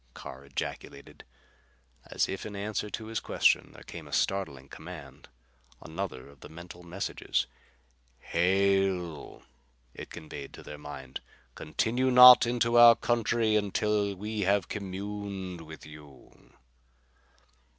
Carr ejaculated. As if in answer to his question there came a startling command, another of the mental messages. "Halt!" it conveyed to their mind. "Continue not into our country until we have communed with you."